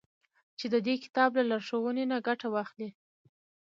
چي د دې كتاب له لارښوونو نه گټه واخلي.